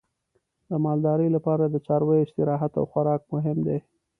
د مالدارۍ لپاره د څارویو استراحت او خوراک مهم دی.